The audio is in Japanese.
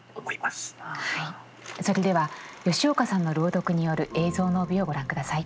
それでは吉岡さんの朗読による「映像の帯」をご覧ください。